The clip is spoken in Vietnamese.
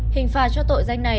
hình phạt cho tội danh này